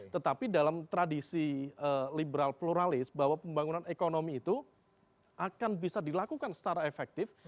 tetapi dalam tradisi liberal pluralis bahwa pembangunan ekonomi itu akan bisa dilakukan secara efektif